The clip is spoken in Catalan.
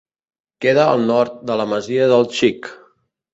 Queda al nord de la Masia del Xic.